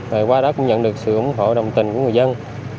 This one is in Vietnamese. rồi qua đó cũng nhận được sự ủng hộ đồng tình của người dân